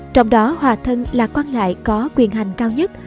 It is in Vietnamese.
trong đó hòa thân là quan lại có quyền hành cao nhất